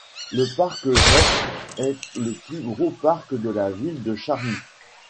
Le parc Joffre est le plus gros parc de la ville de Charny.